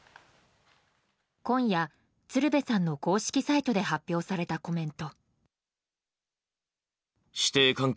今夜、鶴瓶さんの公式サイトで発表されたコメント。